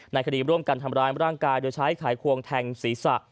คดีร่วมกันทำร้ายร่างกายโดยใช้ไขควงแทงศีรษะ